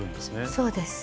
そうです。